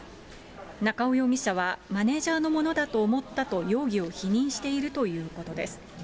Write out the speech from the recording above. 中尾容疑者は、マネージャーのものだと思ったと容疑を否認しているということです。